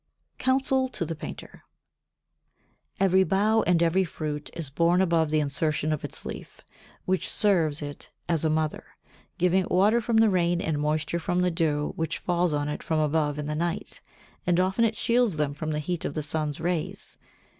[Sidenote: Counsel to the Painter] 61. Every bough and every fruit is born above the insertion of its leaf, which serves it as a mother, giving it water from the rain and moisture from the dew which falls on it from above in the night, and often it shields them from the heat of the sun's rays.